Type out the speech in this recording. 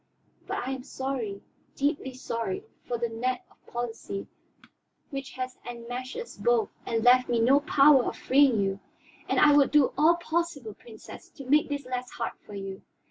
But I am sorry, deeply sorry, for the net of policy which has enmeshed us both and left me no power of freeing you. And I would do all possible, Princess, to make this less hard for you.